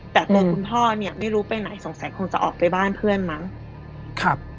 แต่ตัวคุณพ่อเนี่ยไม่รู้ไปไหนสงสัยคงจะออกไปบ้านเพื่อนมั้งครับ